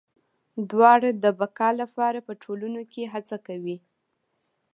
دواړه د بقا لپاره په ټولنو کې هڅه کوي.